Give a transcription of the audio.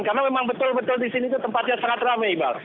karena memang betul betul di sini tempatnya sangat ramai iba